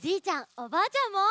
おばあちゃんも。